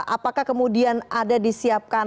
apakah kemudian ada disiapkan